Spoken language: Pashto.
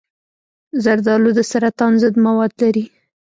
زردآلو د سرطان ضد مواد لري.